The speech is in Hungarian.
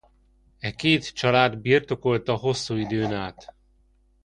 E két család birtokolta hosszú időn át.